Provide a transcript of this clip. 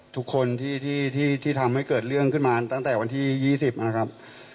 ทุกคนที่ทำให้เกิดเรื่องขึ้นมาตั้งแต่วันที่๒๐นะครับ